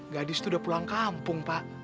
gadis itu udah pulang kampung pak